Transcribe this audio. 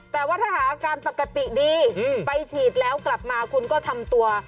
แต่ว่าถ้าหาอาการปกติดีไปฉีดแล้วกลับมาคุณก็ทำตัว